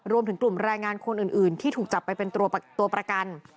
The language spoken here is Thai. รวมถึงกลุ่มแรงงานคนอื่นที่ถูกจับไปเป็นตัวประกัน